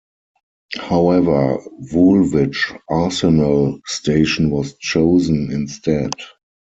However, Woolwich Arsenal station was chosen instead.